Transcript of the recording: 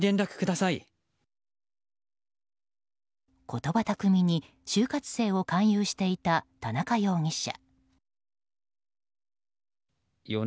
言葉巧みに就活生を勧誘していた田中容疑者。